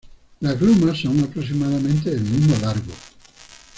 Las glumas son aproximadamente del mismo largo.